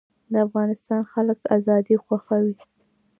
د افغانستان خلک ازادي خوښوي